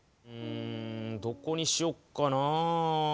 うんどこにしよっかな。